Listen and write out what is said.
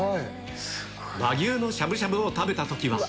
和牛のしゃぶしゃぶを食べたときは。